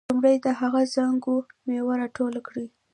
لومړی د هغه څانګو میوه راټوله کړئ.